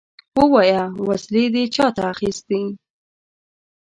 ووايه! وسلې دې چاته اخيستې؟